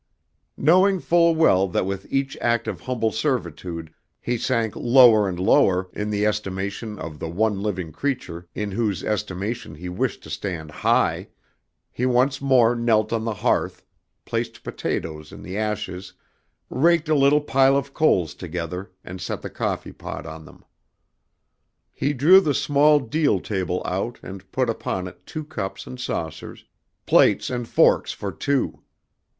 Knowing full well that with each act of humble servitude he sank lower and lower in the estimation of the one living creature in whose estimation he wished to stand high, he once more knelt on the hearth, placed potatoes in the ashes, raked a little pile of coals together and set the coffee pot on them. He drew the small deal table out and put upon it two cups and saucers, plates and forks for two.